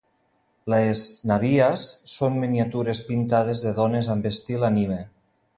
Les "navias" són miniatures pintades de dones amb estil anime.